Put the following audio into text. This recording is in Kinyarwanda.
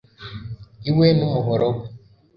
iwe numuhoro we